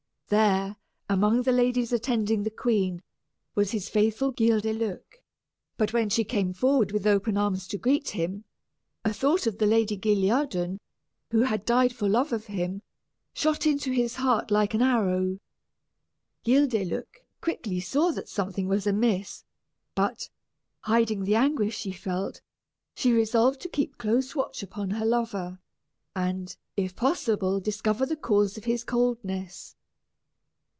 There, among the ladies attending the queen, was his faithful Guildeluec; but when she came forward with open arms to greet him, a thought of the Lady Guilliadun, who had died for love of him, shot into his heart like an arrow. Guildeluec quickly saw that something was amiss; but, hiding the anguish she felt, she resolved to keep close watch upon her lover, and, if possible, discover the cause of his coldness.